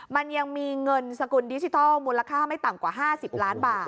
มันยังมีเงินสกุลดิจิทัลมูลค่าไม่ต่ำกว่า๕๐ล้านบาท